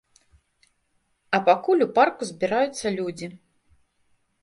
А пакуль у парку збіраюцца людзі.